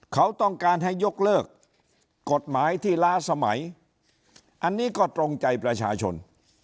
เขาต้องการให้ยกเลิกกฎหมายที่ล้าสมัยอันนี้ก็ตรงใจประชาชน